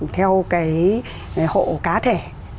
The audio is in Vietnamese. theo cái hộ cá thể